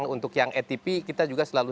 untuk yang atp kita juga selalu